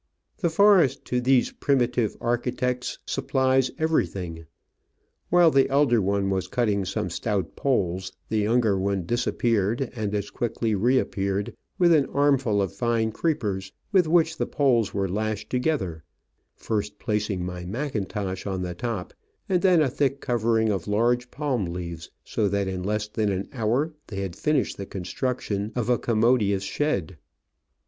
The forest to these primitive architects supplies everything. While the elder one was cutting some stout poles, the younger one disappeared and as quickly reappeared with an armful of fine creepers, with which the poles were lashed together, first placing my macintosh on the top, and then a thick covering of large palm leaves, so that in less than an hour tiiey had finished the con struction of a commodious shed.